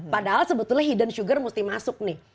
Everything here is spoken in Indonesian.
padahal sebetulnya hidden sugar mesti masuk nih